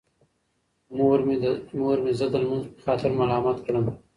مور مې زه د لمونځ په خاطر ملامت کړم.